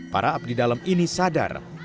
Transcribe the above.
para abdi dalam ini sadar